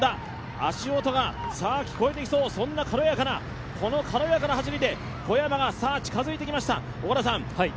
足音が聞こえてきそう、そんな軽やかな、この軽やかな走りで小山が近づいてまいりました。